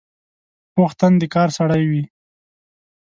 پوخ تن د کار سړی وي